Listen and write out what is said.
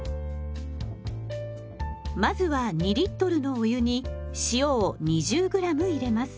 まずは２のお湯に塩を２０ｇ入れます。